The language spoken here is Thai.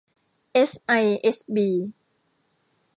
เอสไอเอสบี